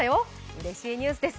うれしいニュースです。